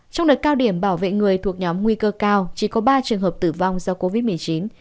trong đợt cao điểm bảo vệ người thuộc nhóm nguy cơ cao chỉ có ba trường hợp tử vong do covid một mươi chín